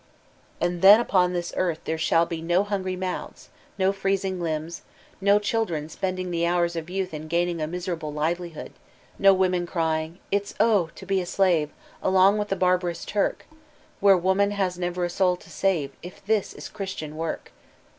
And then upon this earth there shall be no hungry mouths, 00 freezing limbs; no children spending the hours of youth in gaining a miserable livelihood, no women crying, It's Oh, to be a sbve AkMiff with the barharons Tinh, Where woman has never a lonl to save If this is Ckfittiam work!